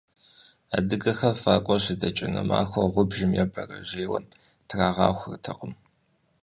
Адыгэхэр вакӀуэ щыдэкӀыну махуэр гъубжу е бэрэжьейуэ трагъахуэртэкъым.